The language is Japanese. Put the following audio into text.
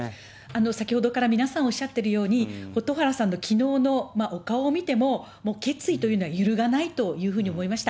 先ほどから皆さんおっしゃってるように、蛍原さんのきのうのお顔を見ても、もう決意というのは揺るがないというふうに思いました。